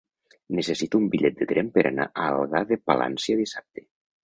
Necessito un bitllet de tren per anar a Algar de Palància dissabte.